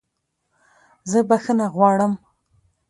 زه بخښنه غواړم